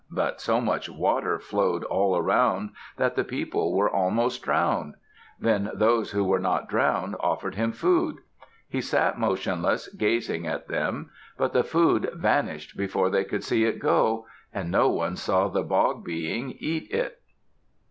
But so much water flowed all around that the people were almost drowned. Then those who were not drowned offered him food. He sat motionless, gazing at them. But the food vanished before they could see it go; and no one saw the Bog Being eat it.